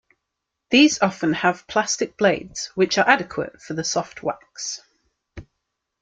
These often have plastic blades, which are adequate for the soft wax.